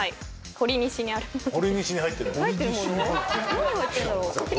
何入ってるんだろう。